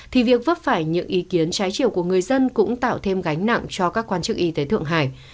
thì việc vấp phải những ý kiến trái chiều của người dân cũng tạo thêm gánh nặng cho các quan chức y tế thượng hải